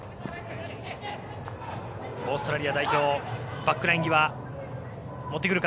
オーストラリア代表バックライン際持ってくるか。